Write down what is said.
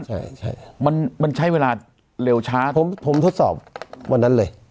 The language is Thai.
ใช่มันใช้เวลาเร็วช้าผมทดสอบวันนั้นเลย